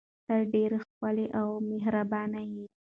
ته ډیره ښکلې او مهربانه یې.